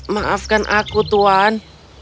maafkan aku tuan